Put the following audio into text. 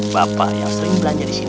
bapak yang sering belanja di sini